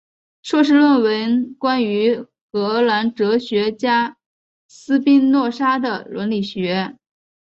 硕士论文是关于荷兰哲学家斯宾诺莎的伦理学。